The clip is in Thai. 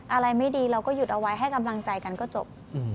อะไรไม่ดีเราก็หยุดเอาไว้ให้กำลังใจกันก็จบ